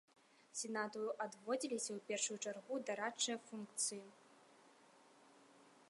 Сенату адводзіліся ў першую чаргу дарадчыя функцыі.